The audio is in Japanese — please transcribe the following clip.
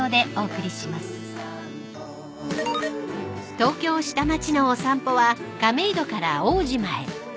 ［東京下町のお散歩は亀戸から大島へ］